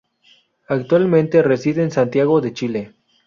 Actualmente reside en Santiago de Chile.